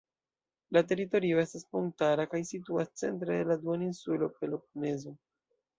La teritorio estas montara kaj situas centre de la duoninsulo Peloponezo.